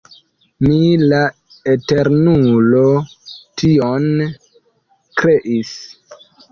Mi, la Eternulo, tion kreis.